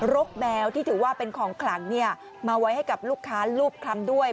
ลกแมวที่ถือว่าเป็นของขลังเนี่ยมาไว้ให้กับลูกค้าลูบขังด้วย